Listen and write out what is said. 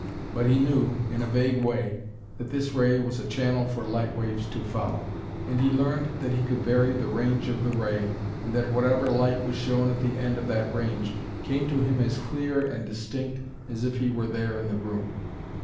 But he knew, in a vague way, that this ray was a channel for light waves to follow, and he learned that he could vary the range of the ray and that whatever light was shown at the end of that range came to him as clear and distinct as if he were there in the room.